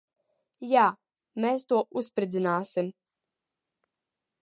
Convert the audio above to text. Jā. Mēs to uzspridzināsim.